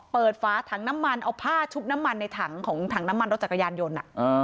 ฝาถังน้ำมันเอาผ้าชุบน้ำมันในถังของถังน้ำมันรถจักรยานยนต์